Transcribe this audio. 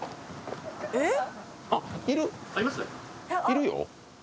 いるよ。